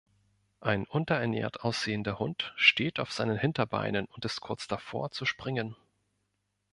Ein unterernährt aussehender Hund steht auf seinen Hinterbeinen und ist kurz davor, zu springen.